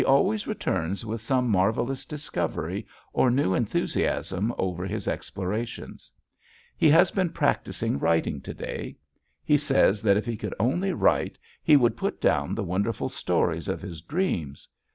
He always returns with some marvelous discovery or new enthusiasm over his explorations. He has been practicing writing to day. He says that if he could only write he would put down the wonderful stories of his dreams.